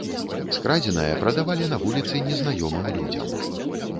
Скрадзенае прадавалі на вуліцы незнаёмым людзям.